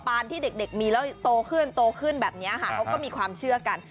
ที่เด็กมีแล้วโตขึ้นโตขึ้นแบบนี้ค่ะเขาก็มีความเชื่อกัน